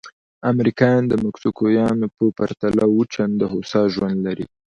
امریکایان د مکسیکویانو په پرتله اووه چنده هوسا ژوند لري.